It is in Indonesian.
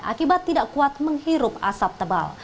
akibat tidak kuat menghirup asap tebal